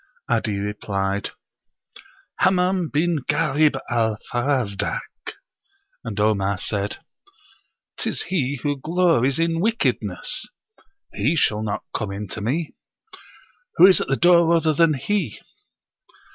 'Adi replied, "Hammam bin Ghalib al Farazdak." And Omar said, "Tis he who glories in wickedness.... He shall not come in to me! Who is at the door other than he?"